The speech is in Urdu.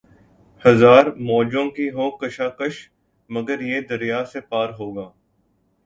ہزار موجوں کی ہو کشاکش مگر یہ دریا سے پار ہوگا